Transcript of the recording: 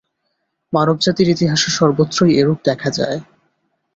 মানবজাতির ইতিহাসে সর্বত্রই এরূপ দেখা যায়।